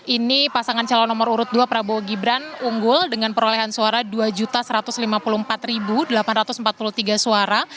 ini pasangan calon nomor urut dua prabowo gibran unggul dengan perolehan suara dua satu ratus lima puluh empat delapan ratus empat puluh tiga suara